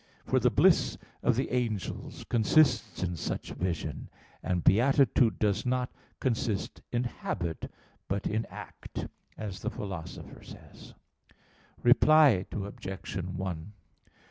For the bliss of the angels consists in such vision; and beatitude does not consist in habit, but in act, as the Philosopher says (Ethic. i, 8). Reply Obj.